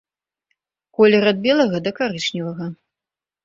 Колер ад белага да карычневага.